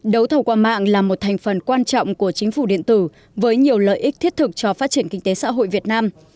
đấu thầu qua mạng là một thành phần quan trọng của chính phủ điện tử với nhiều lợi ích thiết thực cho phát triển kinh tế xã hội việt nam